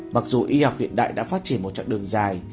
mặc dù y học hiện đại đã phát triển một chặng đường dài